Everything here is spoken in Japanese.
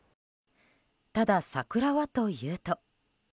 ただ、桜はというと。